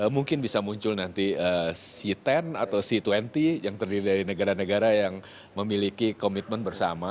mungkin bisa muncul nanti c sepuluh atau c dua puluh yang terdiri dari negara negara yang memiliki komitmen bersama